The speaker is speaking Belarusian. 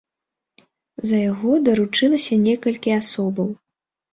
За яго даручылася некалькі асобаў.